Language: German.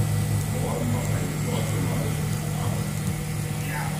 Norn war eine nordgermanische Sprache.